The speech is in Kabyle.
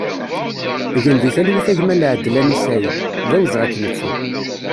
Gen di talwit a gma Laadlani Saïd, d awezɣi ad k-nettu!